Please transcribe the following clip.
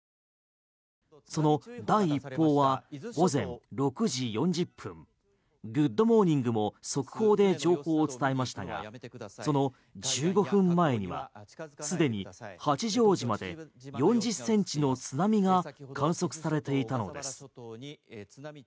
その第一報は午前６時４０分「グッド！モーニング」も速報で情報を伝えましたがその１５分前には既に八丈島で４０センチの津波が観測されていたのです。